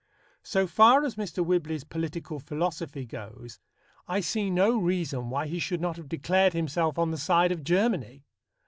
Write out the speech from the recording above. So far as Mr. Whibley's political philosophy goes, I see no reason why he should not have declared himself on the side of Germany.